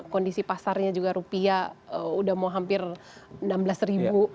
kondisi pasarnya juga rupiah sudah hampir enam belas ribu